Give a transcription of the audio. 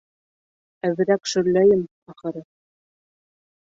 Әҙерәк шөрләйем, ахыры.